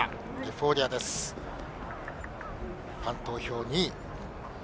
ファン投票２位。